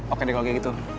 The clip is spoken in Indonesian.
oke deh kalau kayak gitu